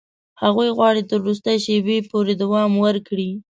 هغوی غواړي تر وروستي شېبې پورې دوام ورکړي.